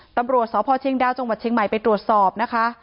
ตำรวจสพเชียงดาวจังหวัดเชียงใหม่ไปตรวจสอบนะคะ